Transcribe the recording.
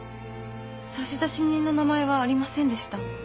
差出人の名前はありませんでした。